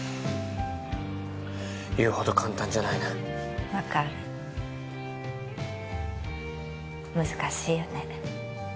言うほど簡単じゃないな分かる難しいよね